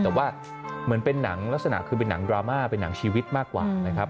แต่ว่าเหมือนเป็นหนังลักษณะคือเป็นหนังดราม่าเป็นหนังชีวิตมากกว่านะครับ